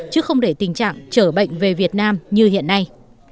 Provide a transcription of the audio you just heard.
chứ không để tình trạng trở bệnh về việt nam như hiện nay